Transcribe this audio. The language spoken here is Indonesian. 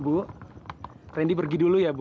bu randy pergi dulu ya bu